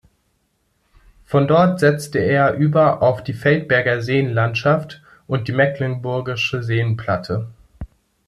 Von dort setze er über auf die Feldberger Seenlandschaft und die Mecklenburgische Seenplatte.